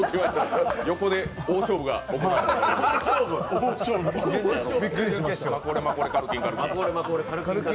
横で大勝負が行われてた。